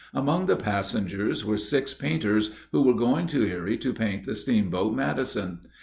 Among the passengers were six painters, who were going to Erie to paint the steamboat Madison.